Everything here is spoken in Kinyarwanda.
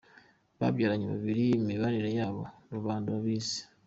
Babyaranye kabiri Imibanire yabo, Rubanda babizi.